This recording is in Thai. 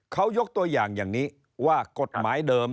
เขายกตัวอย่างว่ากฎหมายเดิม